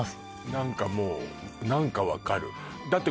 何かもう何か分かるだって